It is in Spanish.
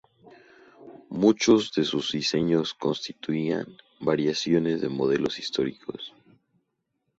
Muchos de sus diseños constituían variaciones de modelos históricos.